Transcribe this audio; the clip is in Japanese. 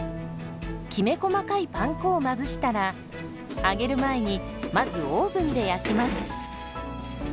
きめ細かいパン粉をまぶしたら揚げる前にまずオーブンで焼きます。